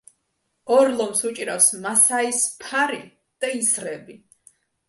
ორ ლომს უჭირავს მასაის ფარი და ისრები.